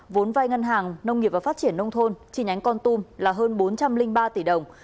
vốn vai ngân hàng nông nghiệp và phát triển nông thôn chi nhánh con tum là hơn bốn trăm linh ba tỷ đồng